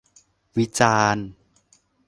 วิจารณ์